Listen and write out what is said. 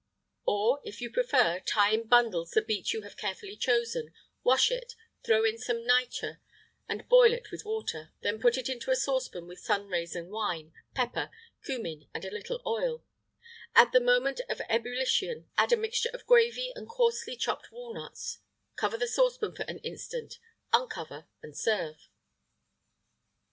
[IX 31] "Or, if you prefer: tie in bundles the beet you have carefully chosen, wash it, throw in some nitre, and boil it with water; then put it into a saucepan with sun raisin wine, pepper, cummin, and a little oil; at the moment of ebullition add a mixture of gravy and coarsely chopped walnuts; cover the saucepan for an instant, uncover, and serve."